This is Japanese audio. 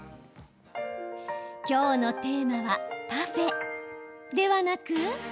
今日のテーマはパフェではなく。